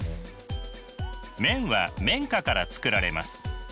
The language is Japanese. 綿は綿花から作られます。